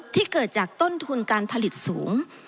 เกิดจากต้นทุนการผลิตสูง